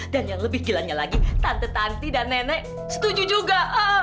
dan yang lebih gilanya lagi tante tanti dan nenek setuju juga